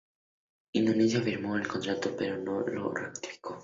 Indonesia firmó el tratado, pero no lo ratificó.